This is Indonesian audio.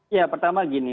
ya pertama gini